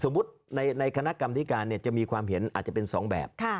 ในคณะกรรมธิการจะมีความเห็นอาจจะเป็น๒แบบ